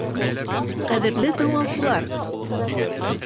Ҡәҙерле тыңлаусылар!